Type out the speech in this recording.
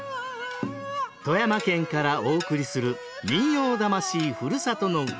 富山県からお送りする「民謡魂ふるさとの唄」。